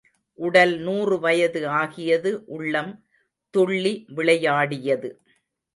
உடல் நூறு வயது ஆகியது உள்ளம் துள்ளி விளையாடியது.